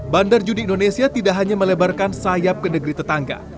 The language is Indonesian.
bandar judi indonesia tidak hanya melebarkan sayap ke negeri tetangga